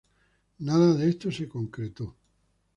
Nada de esto se concretó.